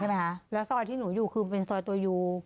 ไหมคะแล้วซอยที่หนูอยู่คือเป็นซอยตัวยู